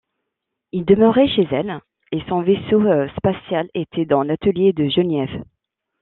Il demeurait chez elle, et son vaisseau spatial était dans l'atelier de Geneviève.